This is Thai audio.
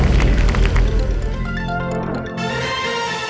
สวัสดีครับ